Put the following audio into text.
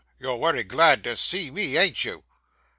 'You're wery glad to see me, ain't you?